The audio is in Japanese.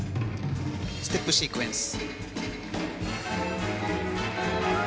ステップシークエンス。